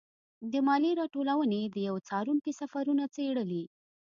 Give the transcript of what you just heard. د مالیې راټولونې د یوه څارونکي سفرونه څېړلي.